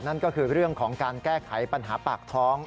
นั่นก็คือเรื่องของการแก้ไขปัญหาปากท้อง